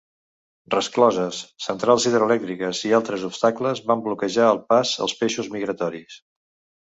Rescloses, centrals hidroelèctriques i altres obstacles van bloquejar el pas als peixos migratoris.